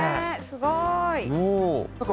すごーい。